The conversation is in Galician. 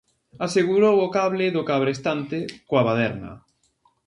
Asegurou o cable do cabrestante coa baderna.